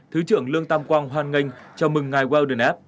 thứ trưởng lương tam quang hoan nghênh chào mừng ngài weldon f